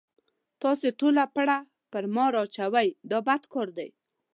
تاسې ټوله پړه په ما را اچوئ دا بد کار دی.